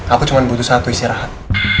aku cuma butuh satu istirahat